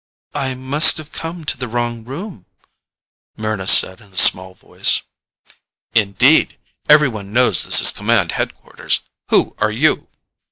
"I must have come to the wrong room," Mryna said in a small voice. "Indeed! Everyone knows this is command headquarters. Who are you?"